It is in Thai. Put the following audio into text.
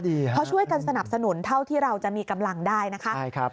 เพราะช่วยกันสนับสนุนเท่าที่เราจะมีกำลังได้นะคะ